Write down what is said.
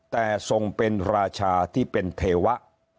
แต่ทรงเป็นราชาที่เป็นเทวะ